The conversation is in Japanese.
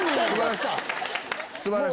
素晴らしい！